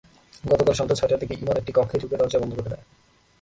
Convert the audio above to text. গতকাল সন্ধ্যা ছয়টার দিকে ইমন একটি কক্ষে ঢুকে দরজা বন্ধ করে দেয়।